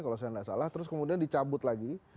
kalau saya tidak salah terus kemudian dicabut lagi